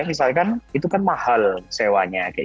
misalkan itu kan mahal sewanya